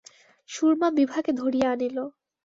সুরমা বিভাকে ধরিয়া আনিল।